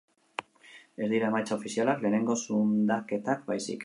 Ez dira emaitza ofizialak, lehenengo zundaketak baizik.